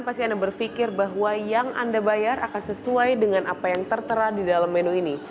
pasti anda berpikir bahwa yang anda bayar akan sesuai dengan apa yang tertera di dalam menu ini